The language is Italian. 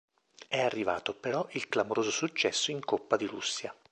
È arrivato, però, il clamoroso successo in coppa di Russia.